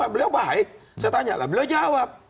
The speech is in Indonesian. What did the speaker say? beliau baik saya tanya lah beliau jawab